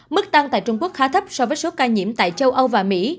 mức tăng tại trung quốc khá thấp so với số ca nhiễm tại châu âu và mỹ